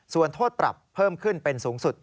ส่วนโทษปรับเพิ่มขึ้นเป็นสูงสุด